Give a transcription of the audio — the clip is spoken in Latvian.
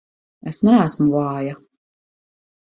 Es neesmu vāja!